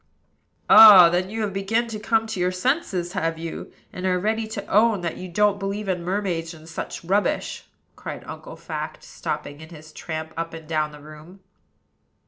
"Ah! then you have begun to come to your senses, have you? and are ready to own that you don't believe in mermaids and such rubbish?" cried Uncle Fact, stopping in his tramp up and down the room.